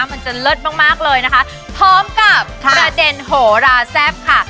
มันจะเลิศมากมากเลยนะคะพร้อมกับประเด็นโหราแซ่บค่ะ